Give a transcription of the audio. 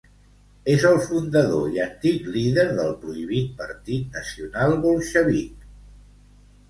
És el fundador i antic líder del prohibit Partit Nacional Bolxevic.